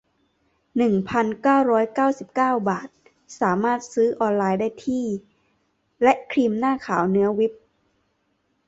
หนึ่งพันเก้าร้อยเก้าสิบเก้า บาท สามารถซื้อออนไลน์ได้ที่ และ ครีมหน้าขาวเนื้อวิป